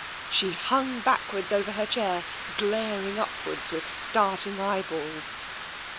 " She hung backwards over her chair, glaring upwards with starting eyeballs.